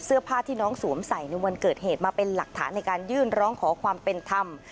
เสื้อผ้าที่น้องสวมใส่ในวันเกิดเหตุมาเป็นหลักฐานในการยื่นร้องขอความเป็นธรรม